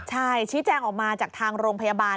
ใช่ชี้แจงออกมาจากทางโรงพยาบาล